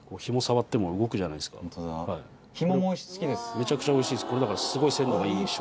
めちゃくちゃおいしい。